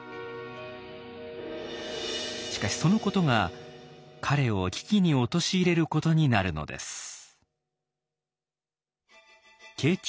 しかしそのことが彼を危機に陥れることになるのです。